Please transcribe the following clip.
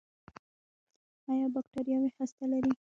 ایا بکتریاوې هسته لري؟